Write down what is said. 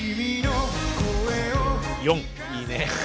「４」いいね！